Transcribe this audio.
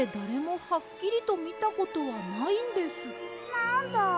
なんだ。